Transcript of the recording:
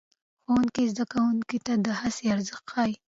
ښوونکی زده کوونکو ته د هڅې ارزښت ښيي